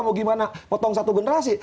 mau gimana potong satu generasi